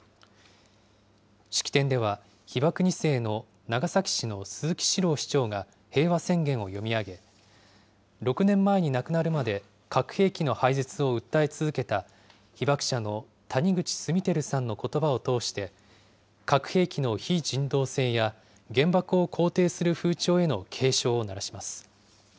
式典では、被爆２世の長崎市の鈴木史朗市長が平和宣言を読み上げ、６年前に亡くなるまで、核兵器の廃絶を訴え続けた被爆者の谷口稜曄さんのことばを通して、核兵器の非人道性や、原爆を肯定する風潮への警鐘を鳴らします。